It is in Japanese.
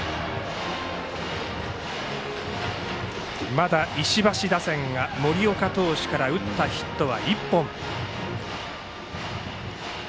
まだ石橋打線が森岡投手から打ったヒットは１本。